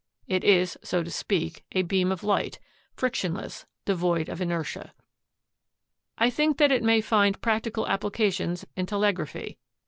It is, so to speak, a beam of light — frictionless, devoid of inertia. "I think that it may find practical appli cations in telegraphy.